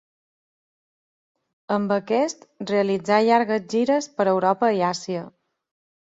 Amb aquest realitzà llargues gires per Europa i Àsia.